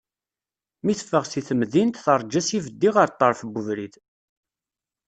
Mi teffeɣ seg temdint, terǧa s yibeddi ɣer ṭṭerf n ubrid.